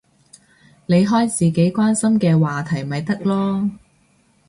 你開自己關心嘅話題咪得囉